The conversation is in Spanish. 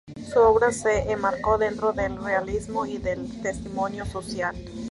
Su obra se enmarcó dentro del realismo y del testimonio social.